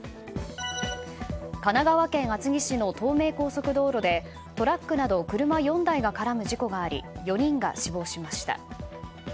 神奈川県厚木市の東名高速道路でトラックなど車４台が絡む事故があり４人が死亡しました。